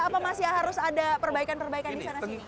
apa masih harus ada perbaikan perbaikan disana sini